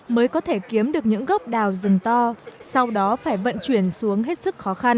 mới có thể kiếm được những gốc đào rừng to sau đó phải vận chuyển xuống hết sức khó khăn